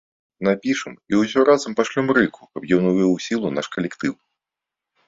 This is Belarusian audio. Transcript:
Напішам і ўсё разам пашлём рыку, каб ён увёў у сілу наш калектыў.